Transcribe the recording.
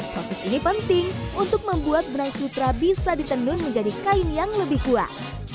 proses ini penting untuk membuat benang sutra bisa ditenun menjadi kain yang lebih kuat